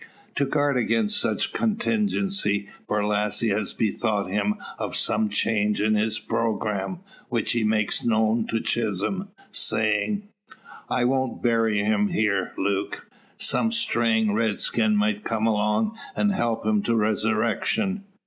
To guard against such contingency Borlasse has bethought him of some change in his programme, which he makes known to Chisholm, saying: "I won't bury him here, Luke. Some strayin' redskin might come along, and help him to resurrection.